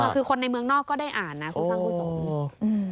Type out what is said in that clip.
คือคนในเมืองนอกก็ได้อ่านนะครูสร้างผู้ส่ง